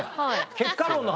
結果論の話。